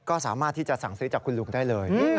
ก็สามารถที่จะสั่งซื้อจากคุณลุงได้เลย